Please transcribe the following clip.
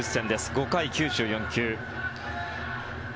５回９４球。